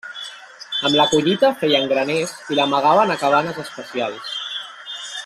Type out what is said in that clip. Amb la collita feien graners i l'amagaven a cabanes especials.